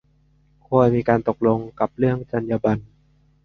ควรมีการตกลงกันเรื่องจรรยาบรรณ